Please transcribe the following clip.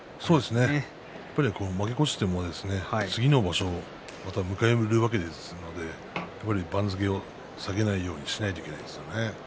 負け越しても次の場所は迎えられるわけですので番付を下げないようにしないといけないですね。